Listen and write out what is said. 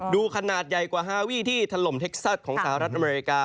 ขนาดใหญ่กว่าฮาวี่ที่ถล่มเท็กซัสของสหรัฐอเมริกา